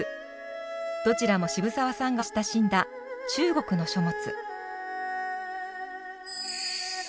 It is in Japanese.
どちらも渋沢さんが親しんだ中国の書物。